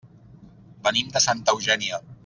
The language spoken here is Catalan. Venim de Santa Eugènia.